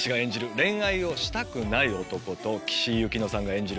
恋愛をしたくない男と岸井ゆきのさんが演じる